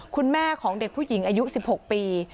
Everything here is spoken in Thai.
คุณแม่ของเด็กผู้หญิงอายุ๑๖ปี